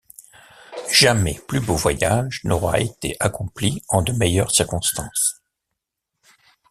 Jamais plus beau voyage n’aura été accompli en de meilleures circonstances!...